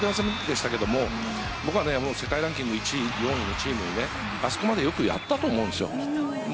僕は世界ランキング１位、４位のチームにあそこまでよくやったと思うんですよ。